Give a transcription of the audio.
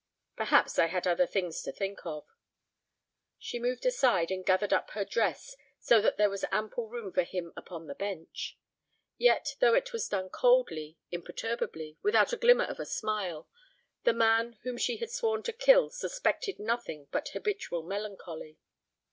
"Perhaps I had other things to think of." She moved aside and gathered up her dress so that there was ample room for him upon the bench. Yet, though it was done coldly, imperturbably, without a glimmer of a smile, the man whom she had sworn to kill suspected nothing but habitual melancholy.